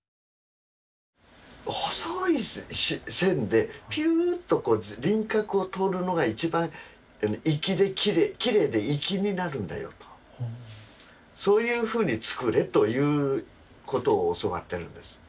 細い線でピューッとこう輪郭をとるのが一番きれいで粋になるんだよとそういうふうに作れということを教わってるんです。